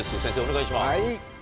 先生お願いします。